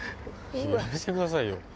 やめてくださいよ。